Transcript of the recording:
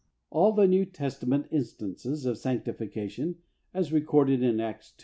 All the New Testament instances of sanctification, as recorded in Acts ii.